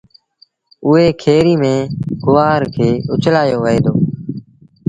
اُئي کري ميݩ گُوآر کي اُڇلآيو وهي دو۔